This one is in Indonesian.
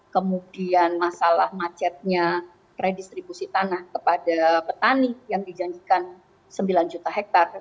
kemudian masalah macetnya redistribusi tanah kepada petani yang dijanjikan sembilan juta hektare